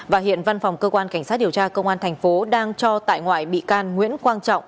và hiện văn phòng cơ quan cảnh sát điều tra công an thành phố đang cho tại ngoại bị can nguyễn quang trọng